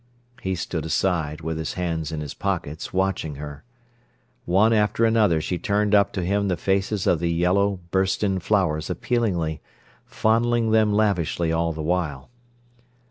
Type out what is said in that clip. He stood aside, with his hands in his pockets, watching her. One after another she turned up to him the faces of the yellow, bursten flowers appealingly, fondling them lavishly all the while.